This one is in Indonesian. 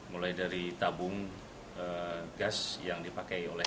mulai dari tabung gas yang dipakai oleh